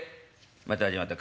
「また始まった。